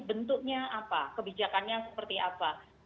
bentuknya apa kebijakannya seperti apa